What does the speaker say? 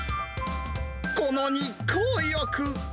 この日光浴。